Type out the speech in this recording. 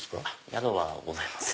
宿はございません。